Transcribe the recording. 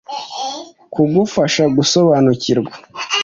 kugufasha gusobanukirwa